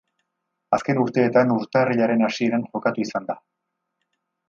Azken urteetan urtarrilaren hasieran jokatu izan da.